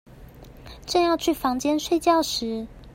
正要去房間睡覺時